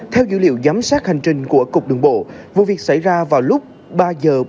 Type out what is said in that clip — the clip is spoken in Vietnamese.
theo dữ liệu giám sát hành trình của cục đường bộ vụ việc xảy ra vào lúc ba h bốn mươi